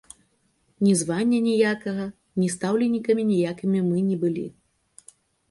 Ні звання ніякага, ні стаўленікамі ніякімі мы не былі.